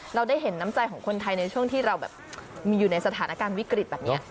เราได้เห็นน้ำใจของคนไทยในช่วงที่เราแบบมีอยู่ในสถานการณ์วิกฤตแบบนี้